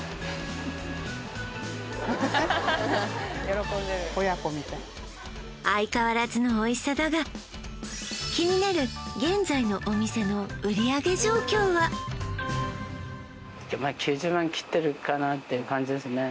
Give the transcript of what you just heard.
喜んでる親子みたい相変わらずのおいしさだが気になる現在のお店の売上状況は？かなっていう感じですね